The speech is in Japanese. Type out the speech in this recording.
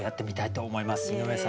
井上さん